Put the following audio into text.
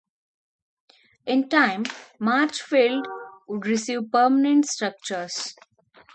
In time, March Field would receive permanent structures.